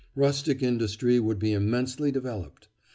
Rustic industry would be immensely developed.